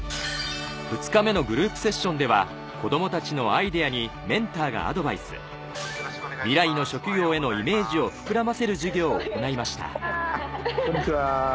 ２日目のグループセッションでは子供たちのアイデアにメンターがアドバイス未来の職業へのイメージを膨らませる授業を行いましたこんにちは！